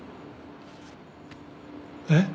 えっ？